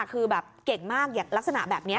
คือแบบเก่งมากอย่างลักษณะแบบนี้